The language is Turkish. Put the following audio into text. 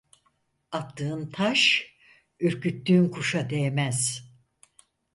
Attığın taş ürküttüğün kuşa değmez.